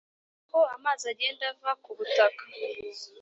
kuko amazi agenda ava kubutaka.